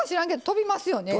飛びますよね。